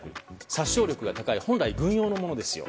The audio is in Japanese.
殺傷力が高い本来、軍用のものですよ。